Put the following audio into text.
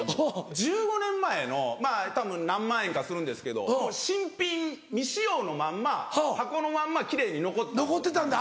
１５年前のたぶん何万円かするんですけど新品未使用のまんま箱のまんま奇麗に残ってたんです。